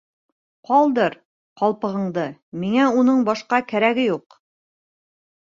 Ҡалдыр ҡалпығыңды, миңә уның башҡа кәрәге юҡ.